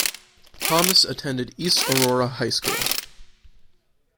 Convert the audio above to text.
Thomas attended East Aurora High School.